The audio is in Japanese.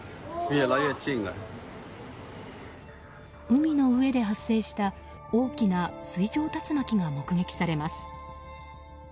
海の上で発生した大きな水上竜巻が目撃されます。